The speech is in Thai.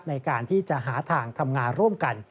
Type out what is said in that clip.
ในการที่จะหาทางทำงานร่วมกัน